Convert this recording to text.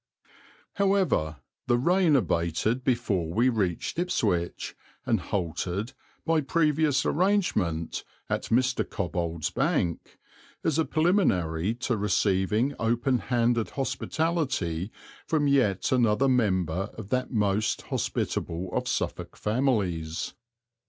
However, the rain abated before we reached Ipswich and halted, by previous arrangement, at Mr. Cobbold's Bank, as a preliminary to receiving open handed hospitality from yet another member of that most hospitable of Suffolk families.